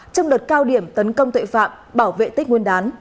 trong đợt cao điểm tấn công tội phạm bảo vệ tích nguyên đán